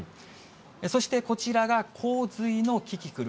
そして、こちらが洪水のキキクル。